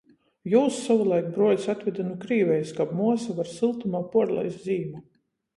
Jūs sovulaik bruoļs atvede nu Krīvejis, kab muosa var syltumā puorlaist zīmu.